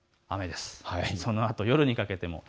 そのあと夜にかけて。